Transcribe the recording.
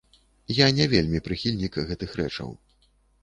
Я не вельмі прыхільнік гэтых рэчаў.